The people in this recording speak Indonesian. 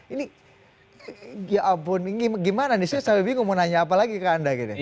ini ya ampun ini gimana nih saya sampai bingung mau nanya apa lagi ke anda gitu